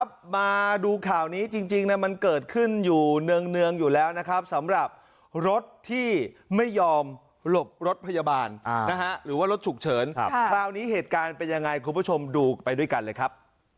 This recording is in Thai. มาดูข่าวนี้จริงนะมันเกิดขึ้นอยู่เนืองอยู่แล้วนะครับสำหรับรถที่ไม่ยอมหลบรถพยาบาลนะฮะหรือว่ารถฉุกเฉินคราวนี้เหตุการณ์เป็นยังไงคุณผู้ชมดูไปด้วยกันเลยครับ